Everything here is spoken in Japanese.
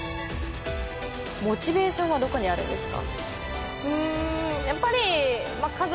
モチベーションはどこにあるんですか。